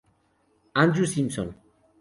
Andrew Simpson